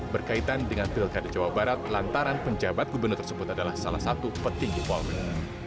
berkaitan dengan pilkada jawa barat lantaran penjabat gubernur tersebut adalah salah satu petinggi polri